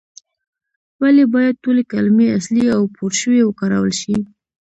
ولې باید ټولې کلمې اصلي او پورشوي وکارول شي؟